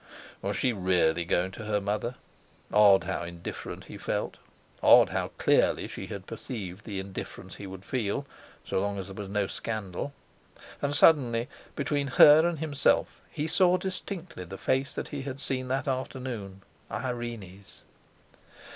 Was she really going to her mother? Odd, how indifferent he felt! Odd, how clearly she had perceived the indifference he would feel so long as there was no scandal. And suddenly between her and himself he saw distinctly the face he had seen that afternoon—Irene's.